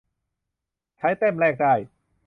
ใช้แต้มแลกได้